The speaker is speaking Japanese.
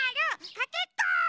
かけっこ！